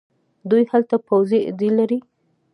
دوی هلته پوځي اډې لري.